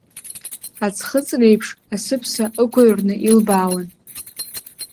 Аӡхыҵреиԥш асыԥса ықәыҩрны илбаауан…